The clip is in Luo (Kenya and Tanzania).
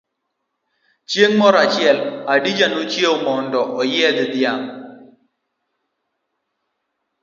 Chieng' moro achiel, Hadija nochiewo mondo onyiedh dhiang.